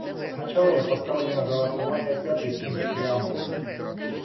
Сначала я поставлю на голосование пятый пункт преамбулы.